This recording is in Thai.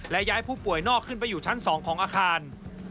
และย้ายผู้ป่วยนอกขึ้นไปอยู่ชั้น๒ของอาคาร